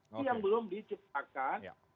yang belum diciptakan